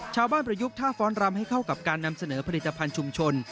ประยุกต์ท่าฟ้อนรำให้เข้ากับการนำเสนอผลิตภัณฑ์ชุมชน